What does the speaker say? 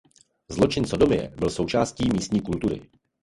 Zločin sodomie byl součástí místní kultury.